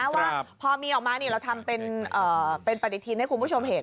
ว่าพอมีออกมาเราทำเป็นปฏิทินให้คุณผู้ชมเห็น